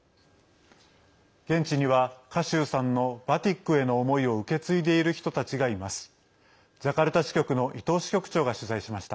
現地には賀集さんのバティックへの思いを受け継いでいる人たちがいます。